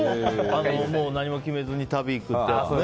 何も決めずに旅に行くってやつね。